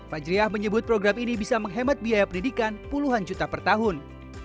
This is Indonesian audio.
fajriah menyebut program ini bisa menghemat biaya pendidikan puluhan juta per tahun